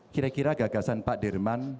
kira kira gagasan pak dirman